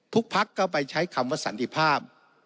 พักก็ไปใช้คำว่าสันติภาพ